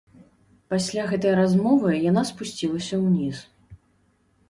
Пасля гэтай размовы яна спусцілася ўніз.